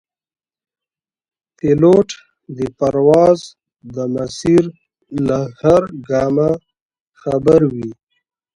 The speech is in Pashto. پیلوټ د پرواز د مسیر له هر ګامه خبر وي.